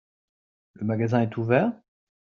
Le magasin est ouvert ?